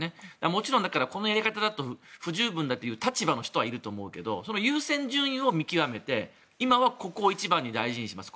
もちろん、このやり方だと不十分だという立場の人もいると思うけど優先順位を見極めて今はここを一番に大切にします